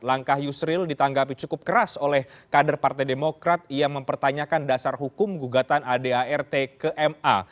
langkah yusril ditanggapi cukup keras oleh kader partai demokrat yang mempertanyakan dasar hukum gugatan adart ke ma